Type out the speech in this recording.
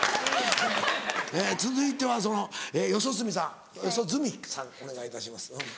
続いては四十住さん四十住さんお願いいたします。